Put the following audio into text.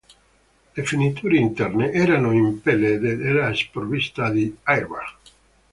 Le finiture interne erano in pelle ed era sprovvista di "airbag".